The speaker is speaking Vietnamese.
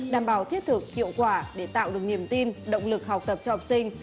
đảm bảo thiết thực hiệu quả để tạo được niềm tin động lực học tập cho học sinh